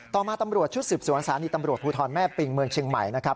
ต่อมาตำรวจชุดสืบสวนสถานีตำรวจภูทรแม่ปิงเมืองเชียงใหม่นะครับ